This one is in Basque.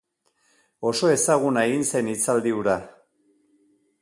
Oso ezaguna egin zen hitzaldi hura.